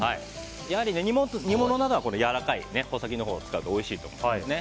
やはり、煮物などはやわらかい穂先のほうを使うとおいしいと思うんですね。